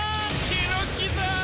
ケロキザ！